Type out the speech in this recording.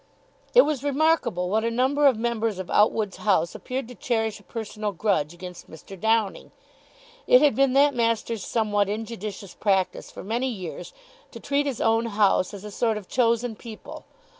It was remarkable what a number of members of Outwood's house appeared to cherish a personal grudge against Mr. Downing. It had been that master's somewhat injudicious practice for many years to treat his own house as a sort of Chosen People.